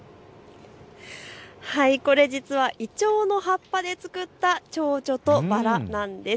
これ実はイチョウの葉っぱで作ったチョウチョとバラなんです。